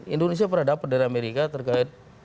indonesia pernah dapat dari amerika terkait